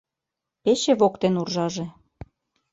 Пече воктен уржаже